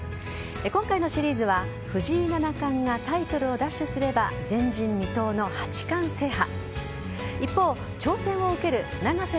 今回のシリーズは藤井七冠がタイトルを奪取すれば前人未到の八冠制覇。